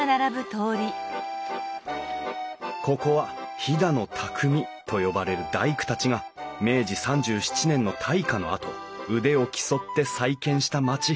ここは飛騨の匠と呼ばれる大工たちが明治３７年の大火のあと腕を競って再建した町。